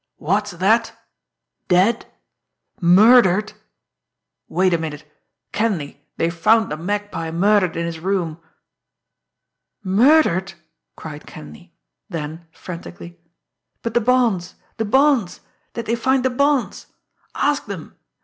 "What's that! Dead! Murdered! Wait a minute! Kenleigh, they've found the Magpie murdered in his room!" "Murdered!" cried Kenleigh; then, frantically: "But the bonds, the bonds! Did they find the bonds? Ask them!